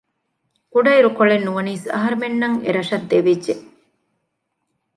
ކުޑައިރުކޮޅެއް ނުވަނީސް އަހަރުމެންނަށް އެ ރަށަށް ދެވިއްޖެ